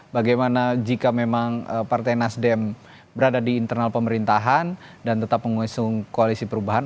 bagaimana jika memang partai nasdem berada di internal pemerintahan dan tetap mengusung koalisi perubahan